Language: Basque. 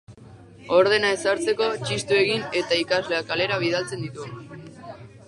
Ordena ezartzeko txistu egin eta ikasleak kalera bidaltzen ditu.